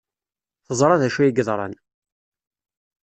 Teẓra d acu ay yeḍran.